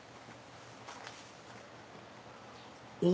お！